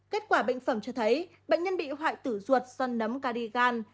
kết quả bệnh phẩm cho thấy bệnh nhân bị hoại tử ruột do nấm carigan